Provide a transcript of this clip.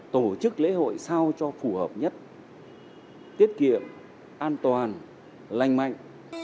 tổ chức lễ hội sao cho phù hợp nhất tiết kiệm an toàn lành mạnh